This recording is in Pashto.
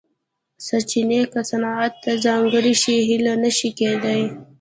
سرچینې که صنعت ته ځانګړې شي هیلې نه شي کېدای.